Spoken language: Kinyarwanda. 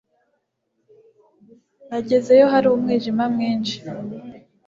Nagezeyo hari umwijima mwinshi